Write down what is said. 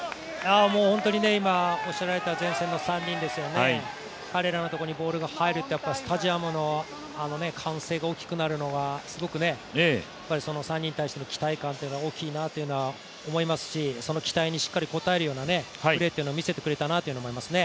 今おっしゃられた前線の３人ですよね、彼らのところにボールが入るとスタジアムの歓声が大きくなるのが、すごくその３人に対しての期待感が大きいというのが分かりますしその期待にしっかり応えるようなプレーというのを見せてくれたなと思いますね。